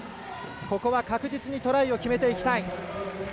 確実にトライを決めていきたい。